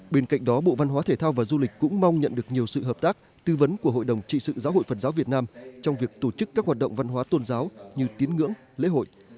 bên cạnh đó bộ văn hóa thể thao và du lịch cũng mong nhận được nhiều sự hợp tác tư vấn của hội đồng trị sự giáo hội phật giáo việt nam trong việc tổ chức các hoạt động văn hóa tôn giáo như tín ngưỡng lễ hội